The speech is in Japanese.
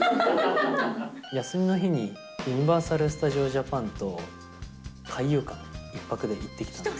休みの日にユニバーサル・スタジオ・ジャパンと海遊館、１泊で行ってきたんです。